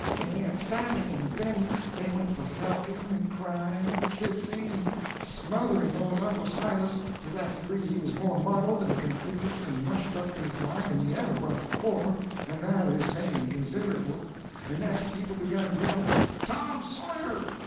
And Aunt Sally and Benny they went to hugging and crying and kissing and smothering old Uncle Silas to that degree he was more muddled and confused and mushed up in his mind than he ever was before, and that is saying considerable. And next, people begun to yell: "Tom Sawyer!